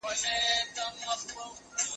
چې مادي شیان هم.